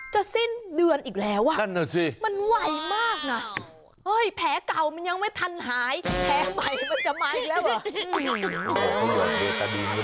จะสิ้นเดือนอีกแล้วอ่ะนั่นน่ะสิมันไหวมากน่ะ